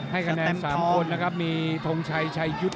ให้กระแนน๓คนนะครับมีไทงมีโทงชัยชายุธ